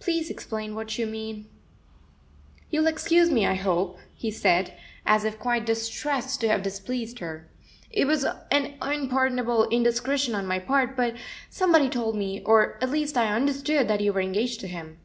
"Please explain what you mean. "You'll excuse me, I hope," he said, as if quite distressed to have displeased her. "It was an unpardonable indiscretion on my part, but somebody told me, or at least I understood, that you were engaged to him."